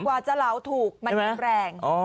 กว่าจะเหลาถูกมันแรง